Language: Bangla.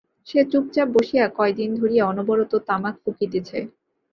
সে চুপচাপ বসিয়া কয়দিন ধরিয়া অনবরত তামাক ফুঁকিতেছে।